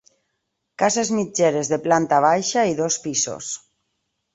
Cases mitgeres de planta baixa i dos pisos.